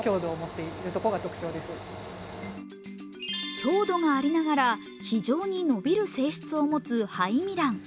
強度がありながら非常に伸びる性質を持つハイミラン。